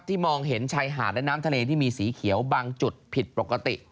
มองเห็นชายหาดและน้ำทะเลที่มีสีเขียวบางจุดผิดปกติ